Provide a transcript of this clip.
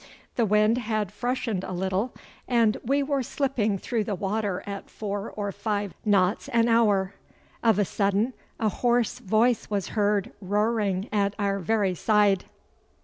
The wind had freshened a little, and we were slipping through the water at four or five knots an hour. Of a sudden a hoarse voice was heard roaring at our very side.